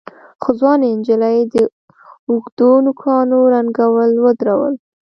خو ځوانې نجلۍ د اوږدو نوکانو رنګول ودرول.